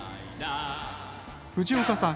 藤岡さん